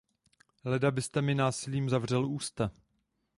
Leda byste mi násilím zavřel ústa.